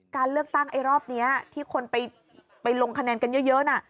การเลือกตั้งไอ้รอบนี้ที่คนไปลงคะแนนกันเยอะน่ะ